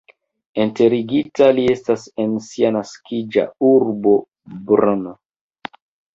Enterigita li estas en sia naskiĝa urbo Brno.